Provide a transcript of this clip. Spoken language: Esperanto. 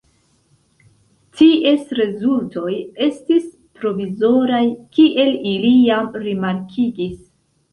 Ties rezultoj estis provizoraj, kiel ili jam rimarkigis.